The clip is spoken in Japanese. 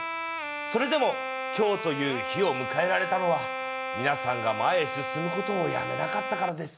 それでも今日という日を迎えられたのは皆さんが前へ進むことをやめなかったからです。